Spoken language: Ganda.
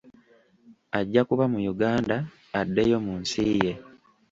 Ajja kuba mu Uganda addeyo mu nsi ye.